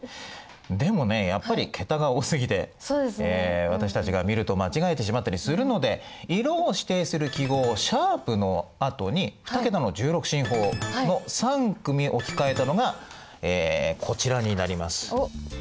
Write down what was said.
でもねやっぱり桁が多すぎて私たちが見ると間違えてしまったりするので色を指定する記号「♯」のあとに２桁の１６進法の３組置き換えたのがこちらになります。